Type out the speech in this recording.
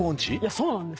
そうなんですよ。